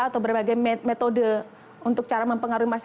atau berbagai metode untuk cara mempengaruhi masa